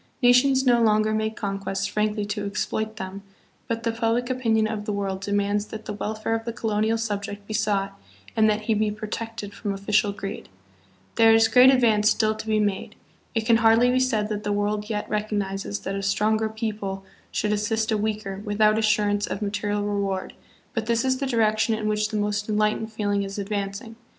Nations no longer make conquests frankly to exploit them, but the public opinion of the world demands that the welfare of the co lonial subject be sought and that he be protected from official greed. 'There is great advance still to be made. It can hardly be said that the world yet recognizes that a stronger people should assist a weaker without assurance of material reward, but this is the direction in which the most enlightened feeling is advancing.